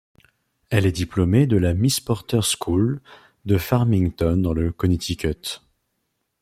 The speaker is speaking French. Elle est diplômée de la Miss Porter's School de Farmington dans le Connecticut.